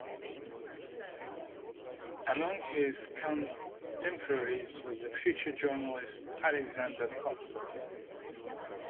Among his contemporaries was the future journalist Alexander Cockburn.